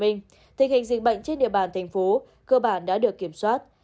tình hình dịch bệnh trên địa bàn tp hcm cơ bản đã được kiểm soát